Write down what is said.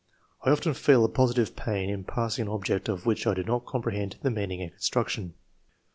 "I often feel a positive pain in passing an object of which I do not compre hend the meaning and construction."